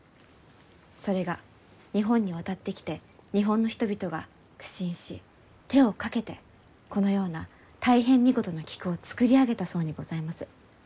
それが日本に渡ってきて日本の人々が苦心し手をかけてこのような大変見事な菊を作り上げたそうにございます。